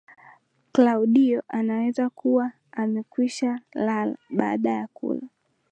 Klaudio anaweza kuwa amekwishalala baada ya kula